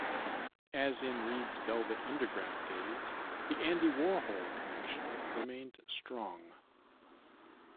As in Reed's Velvet Underground days, the Andy Warhol connection remained strong.